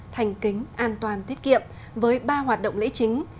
thành kính an toàn tiết kiệm với ba hoạt động lễ chính